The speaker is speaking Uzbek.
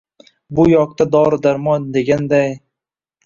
Bu yoqda dori-darmon deganday...